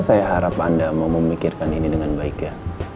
saya harap anda mau memikirkan ini dengan baik ya